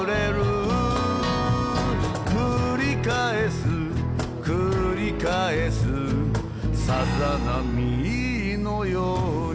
「くり返すくり返すさざ波のように」